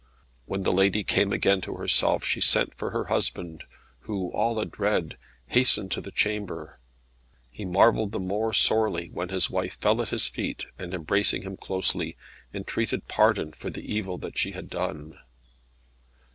When the lady came again to herself, she sent for her husband, who, all adread, hastened to the chamber. He marvelled the more sorely when his wife fell at his feet, and embracing him closely, entreated pardon for the evil that she had done.